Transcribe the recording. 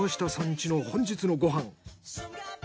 家の本日のご飯。